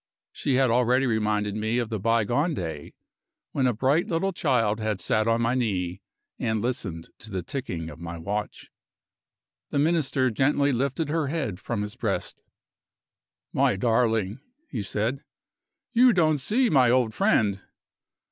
She had already reminded me of the bygone day when a bright little child had sat on my knee and listened to the ticking of my watch. The Minister gently lifted her head from his breast. "My darling," he said, "you don't see my old friend.